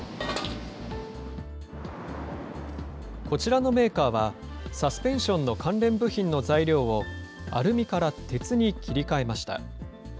こちらのメーカーは、サスペンションの関連部品の材料を、アルミから鉄に切り替えました。